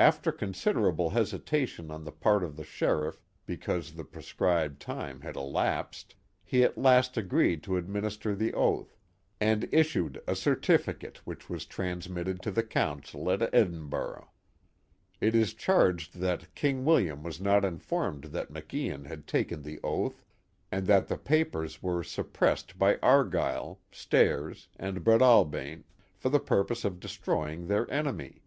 After considerable hesi tation on the part of the sheiilT, because the prescribed lirue had el ipsed, he at last agreed to administer the oath, and issued a certificate which was transmitted to the council at Edinburgh, It is charged that King William was not informed that Maclan had taken the oath, and that the papers were suppressed by Argyle, Stair, and Brcadalbane for the purpose of destroying their enemy.